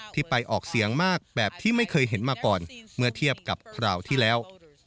ไปออกเสียงมากแบบที่ไม่เคยเห็นมาก่อนเมื่อเทียบกับคราวที่แล้ว